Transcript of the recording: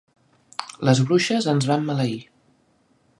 Les bruixes ens van maleir.